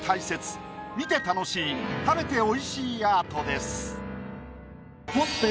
見て楽しい食べて美味しいアートです。